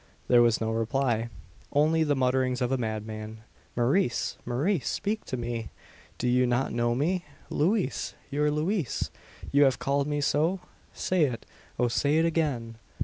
There was no reply: only the mutterings of a madman. "Maurice! Maurice! speak to me! Do you not know me? Louise! Your Louise! You have called me so? Say it O say it again!"